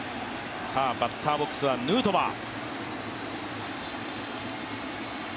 バッターボックスはヌートバー。